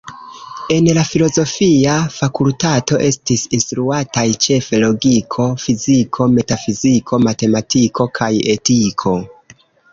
En la filozofia fakultato estis instruataj ĉefe logiko, fiziko, metafiziko, matematiko kaj etiko.